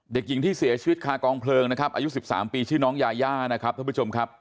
เด็กหญิงที่เสียชีวิตคากองเพลิงนะครับอายุ๑๓ปีชื่อน้องยาย่านะครับท่านผู้ชมครับ